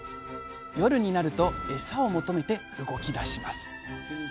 夜になるとエサを求めて動きだします。